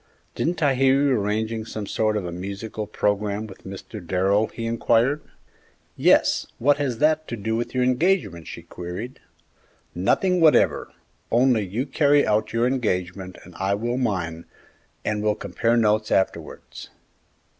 "Didn't I hear you arranging some sort of a musical programme with Mr. Darrell?" he inquired. "Yes; what has that to do with your engagement?" she queried. "Nothing whatever; only you carry out your engagement and I will mine, and we'll compare notes afterwards."